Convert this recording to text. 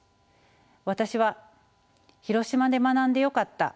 私は「広島で学んでよかった」